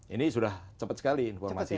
ini sudah cepat sekali informasinya